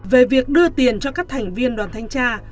về việc đưa tiền cho các thành viên đoàn thanh tra